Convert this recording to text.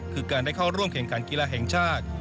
คือการได้เข้าร่วมแข่งขันกีฬาแห่งชาติ